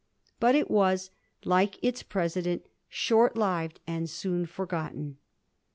But it was, like its president, short lived and soon forgotten.